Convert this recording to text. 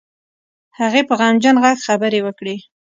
هغې په غمجن غږ خبرې وکړې.